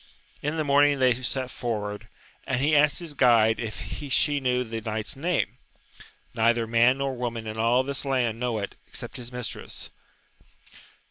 In the morning they set forward, and he asked his guide if she knew the knight's name? — Neither man nor woman in all this land know it, except his mistress.